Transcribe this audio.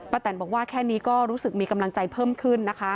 แตนบอกว่าแค่นี้ก็รู้สึกมีกำลังใจเพิ่มขึ้นนะคะ